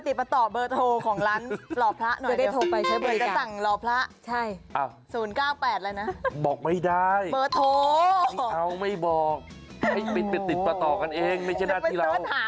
ถ้าเป็นเสื้อถาก็ได้เบอร์โทร